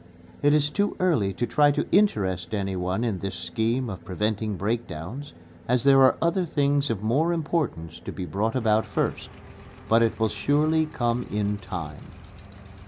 ... "It is too early to try to interest anyone in this scheme of preventing breakdowns, as there are other things of more importance to be brought about first but it will surely come in time."